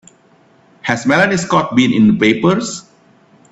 Has Melanie Scott been in the papers?